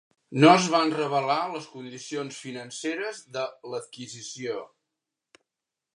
No es van revelar les condicions financeres de l'adquisició.